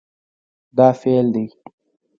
دا فعل دی